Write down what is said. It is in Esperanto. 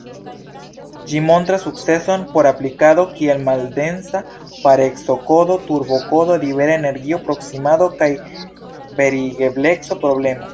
Ĝi montras sukceson por aplikado kiel maldensa pareco-kodo, turbo-kodo, libera energio-proksimado, kaj verigebleco-problemo.